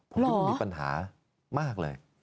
ผมคิดว่ามีปัญหามากเลย